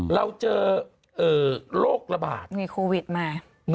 เราเจอโรคระบาดมีโควิดมา